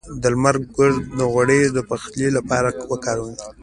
د لمر ګل غوړي د پخلي لپاره وکاروئ